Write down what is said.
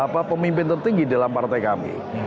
pemimpin tertinggi dalam partai kami